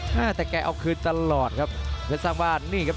แต่แกเอาคืนตลอดครับเพชรสร้างบ้านนี่ครับ